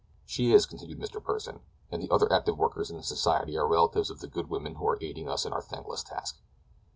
"She is," continued Mr. Pursen, "and the other active workers in the society are relatives of the good women who are aiding us in our thankless task."